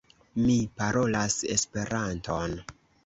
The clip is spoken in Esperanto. Mi parolas Esperanton.